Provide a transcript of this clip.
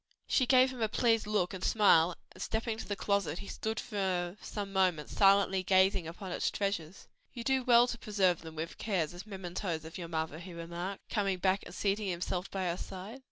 She gave him a pleased look and smile, and stepping to the closet he stood for some moments silently gazing upon its treasures. "You do well to preserve them with care as mementoes of your mother," he remarked, coming back and seating himself by her side.